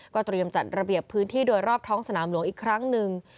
เตรียมจัดระเบียบพื้นที่โดยรอบท้องสนามหลวงอีกครั้งหนึ่ง